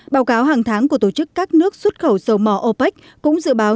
báo cáo hàng tháng của tổ chức các nước xuất khẩu dầu mỏ opec cũng dự báo